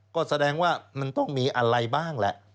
ก็แสดงว่ามันต้องมีอะไรบ้างแหละ